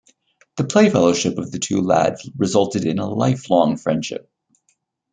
The playfellowship of the two lads resulted in a lifelong friendship.